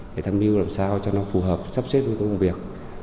để tham mưu làm sao cho nó phù hợp sắp xếp vô công việc